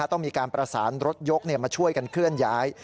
ต้องมีการประสานรถยกมาช่วยกันเคลื่อนย้าย